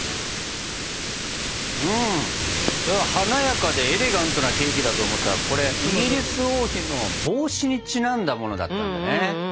華やかでエレガントなケーキだと思ったらこれイギリス王妃の帽子にちなんだものだったんだね。